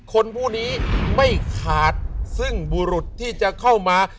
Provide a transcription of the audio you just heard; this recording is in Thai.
คนผู้นี้ไม่ขาดซึ่งบุรุษที่จะเข้ามา